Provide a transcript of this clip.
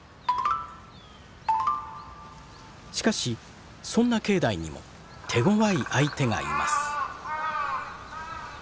しかしそんな境内にも手ごわい相手がいます。